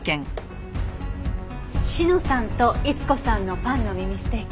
志乃さんと逸子さんのパンの耳ステーキ。